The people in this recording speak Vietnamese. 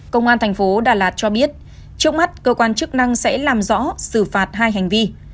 công an thành phố đà lạt cho biết trước mắt cơ quan chức năng sẽ làm rõ xử phạt hai hành vi